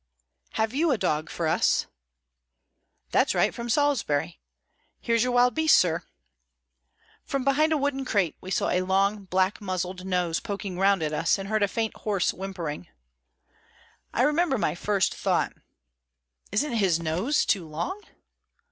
"Have you a dog for us?" "That's right. From Salisbury. Here's your wild beast, Sir!" From behind a wooden crate we saw a long black muzzled nose poking round at us, and heard a faint hoarse whimpering. I remember my first thought: "Isn't his nose too long?"